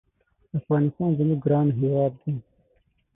افغانستان زمونږ ګران هېواد دی